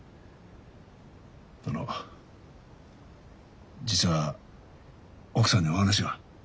あの実は奥さんにお話が。